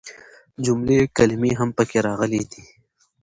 جملې ،کلمې هم پکې راغلي دي.